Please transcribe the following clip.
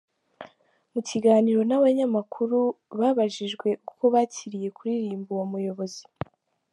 Mu kiganiro n’abanyamakuru babajijwe uko bakiriye kuririmbira uwo muyobozi.